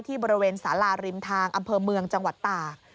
บริเวณสาราริมทางอำเภอเมืองจังหวัดตาก